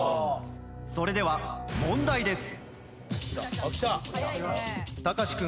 それでは問題です。